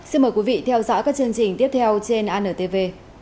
xin mời quý vị theo dõi các chương trình tiếp theo trên antv